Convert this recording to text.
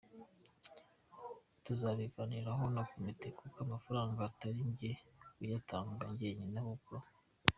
tuzabiganiraho na komite kuko amafaranga atari njye uyatanga njyenyine ahubwo